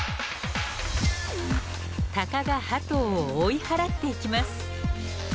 鷹がはとを追い払っていきます。